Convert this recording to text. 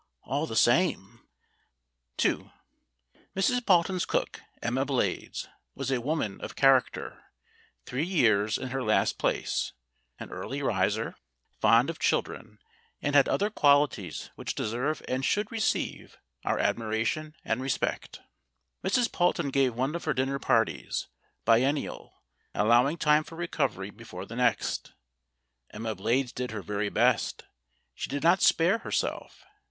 "All the same " ii MRS. PALTON'S cook, Emma Blades, was a woman of character, three years in her last place, an early riser, 129 130 STORIES WITHOUT TEARS fond of children, and had other qualities which deserve and should receive our admiration and respect. Mrs. Palton gave one of her dinner parties bien nial, allowing time for recovery before the next. Emma Blades did her very best. She did not spare herself.